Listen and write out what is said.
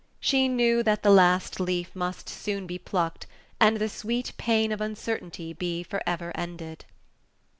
She knew that the last leaf must soon be plucked, and the sweet pain of uncertainty be for ever ended.